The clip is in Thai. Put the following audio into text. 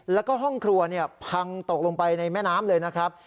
แล้วก็ห้องครัวพังตกลงไปในแม่น้ำเลยนะครับ